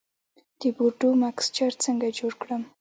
د بورډو مکسچر څنګه جوړ کړم؟